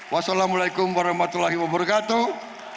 wassalamu'alaikum warahmatullahi wabarakatuh